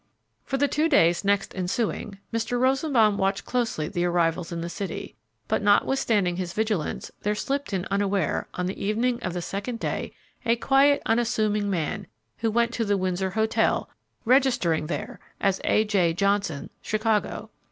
For the two days next ensuing, Mr. Rosenbaum watched closely the arrivals in the city, but, notwithstanding his vigilance, there slipped in unaware, on the evening of the second day, a quiet, unassuming man, who went to the Windsor Hotel, registering there as "A. J. Johnson, Chicago."